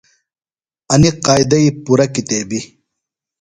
انِیۡ قائدئی پُرہ کتیبِیۡ۔